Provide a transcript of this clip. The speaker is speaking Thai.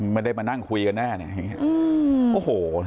ไม่ได้มานั่งคุยกันแน่อย่างเนี้ยโอ้โห